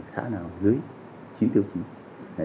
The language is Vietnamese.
xã nào dưới chín tiêu chí